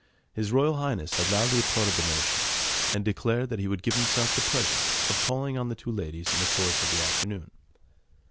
His Royal Highness had loudly applauded the notion, and declared that he would give himself the pleasure of calling on the two ladies in the course of the afternoon.